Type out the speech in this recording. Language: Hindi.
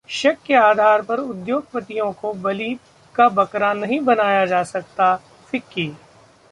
शक के आधार पर उद्योगपतियों को बलि का बकरा नहीं बनाया जा सकता: फिक्की